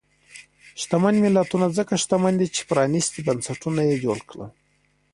شتمن ملتونه ځکه شتمن دي چې پرانیستي بنسټونه یې جوړ کړل.